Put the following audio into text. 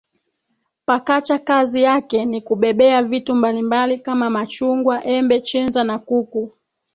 Pakacha kazi yake ni kubebea vitu mbali mbali kama machungwa embe chenza na kuku